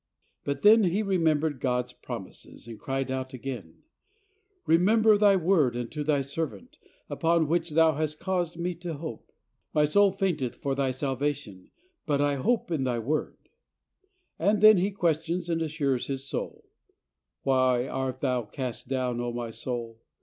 181 But then he remembered God's promises and cried out again, "Remember Thy word unto Thy servant, upon which Thou hast caused me to hope." My soul fainteth for Thy salvation ; but I hope in Thy word," and then he questions and assures his soul, "Why art thou cast down, O my soul?